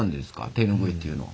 手ぬぐいっていうのは。